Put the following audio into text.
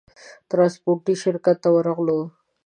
ترانسپورټي شرکت ته ورغلو.